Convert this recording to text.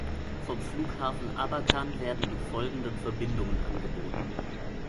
Vom Flughafen Abakan werden die folgenden Verbindungen angeboten.